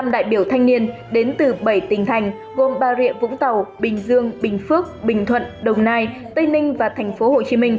hai trăm một mươi năm đại biểu thanh niên đến từ bảy tỉnh thành gồm ba rịa vũng tàu bình dương bình phước bình thuận đồng nai tây ninh và tp hcm